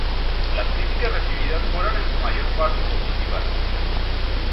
Las críticas recibidas fueron en su mayor parte positivas.